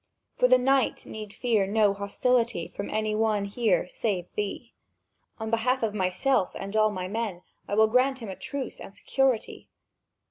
For the knight need fear no hostility from any one here save thee. On behalf of myself and all my men, I will grant him a truce and security.